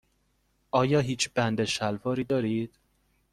آیا هیچ بند شلواری دارید؟